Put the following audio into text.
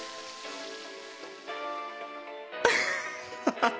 ハハハハハ！